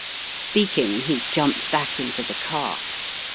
Speaking, he jumped back into the car.